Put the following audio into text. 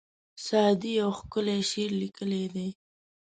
سعدي یو ښکلی شعر لیکلی دی.